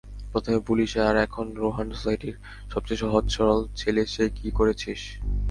প্রথমে পুলিশ, আর এখন রোহান সোসাইটির সবচেয়ে সহজ সরল ছেলে সে কি করেছিস?